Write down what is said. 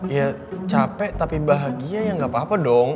iya cape tapi bahagia ya gak apa apa dong